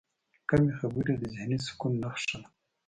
کمې خبرې، د ذهني سکون نښه ده.